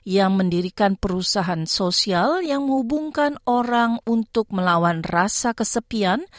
yang mendirikan perusahaan sosial yang menghubungkan orang untuk melawan rasa kesepian